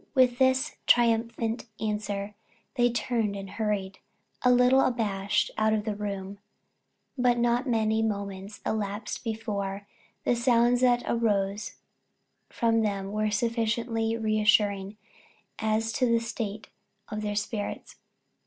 With this triumphant answer they turned and hurried, a little abashed, out of the room; but not many moments elapsed before the sounds that arose from them were sufficiently reassuring as to the state of their spirits.